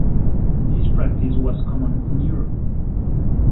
This practice was common in Europe.